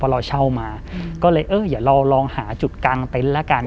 พอเราเช่ามาก็เลยอย่าลองหาจุดกางเต็นต์ละกัน